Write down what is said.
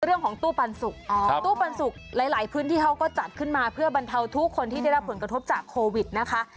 เรื่องของตู้ปันสุกตู้ปันสุกหลายพื้นที่เขาก็จัดขึ้นมาเพื่อบรรเทาทุกคนที่ได้รับผลกระทบจากโควิดนะคะ